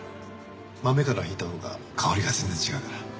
豆から挽いたほうが香りが全然違うから。